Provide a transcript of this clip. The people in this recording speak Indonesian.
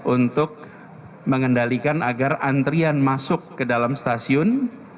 untuk mengendalikan agar antrian masuk ke dalam stasiun